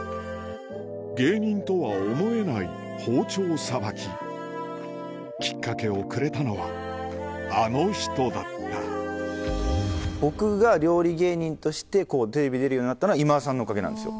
芸人とは思えない包丁さばききっかけをくれたのはあの人だった僕が料理芸人としてテレビ出るようになったのは今田さんのおかげなんですよ。